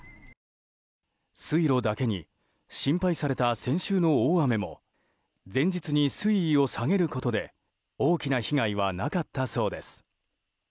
水路だけに心配された先週の大雨も前日に水位を下げることで大きな被害はなかったそうです。